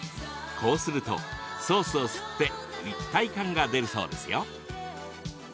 こうすると、ソースを吸って一体感が出るそうですよ。